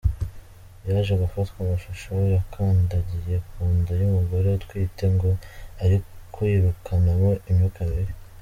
Yaje gufatwa amashusho yakandagiye ku nda y’umugore utwite ngo ari kwirukanamo imyuka mibi.